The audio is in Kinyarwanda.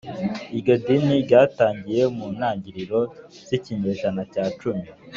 iryo dini ryatangiye mu ntangiriro z’ikinyejana cya cumi